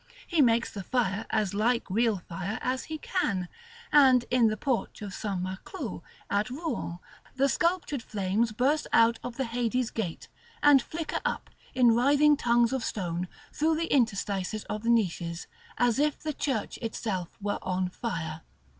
He makes the fire as like real fire as he can; and in the porch of St. Maclou at Rouen the sculptured flames burst out of the Hades gate, and flicker up, in writhing tongues of stone, through the interstices of the niches, as if the church itself were on fire.